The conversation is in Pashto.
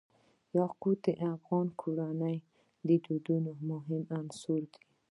یاقوت د افغان کورنیو د دودونو مهم عنصر دی.